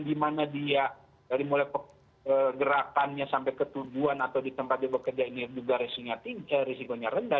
dimana dia dari mulai gerakannya sampai ke tujuan atau di tempat dia bekerja ini juga risikonya rendah